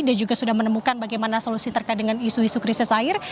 dia juga sudah menemukan bagaimana solusi terkait dengan isu isu krisis air